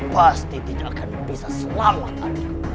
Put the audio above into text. pasti tidak akan bisa selamat